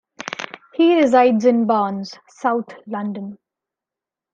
He resides in Barnes, south London.